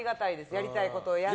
やりたいことをやって。